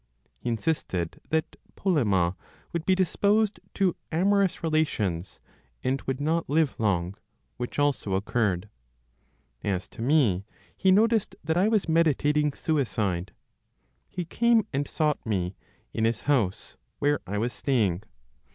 He insisted that Polemo would be disposed to amorous relations, and would not live long; which also occurred. As to me, he noticed that I was meditating suicide. He came and sought me, in his house, where I was staying.